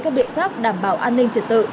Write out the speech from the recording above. các biện pháp đảm bảo an ninh trật tự